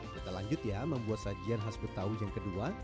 kita lanjut ya membuat sajian khas betawi yang kedua